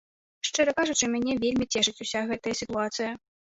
Шчыра кажучы, мяне вельмі цешыць уся гэтая сітуацыя.